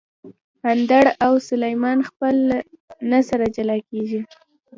اندړ او سلیمان خېل نه سره جلاکیږي